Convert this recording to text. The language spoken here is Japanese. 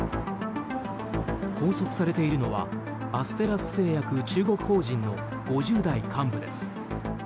拘束されているのはアステラス製薬中国法人の５０代幹部です。